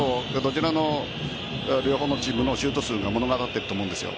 両方のチームのシュート数が物語ってると思うんです。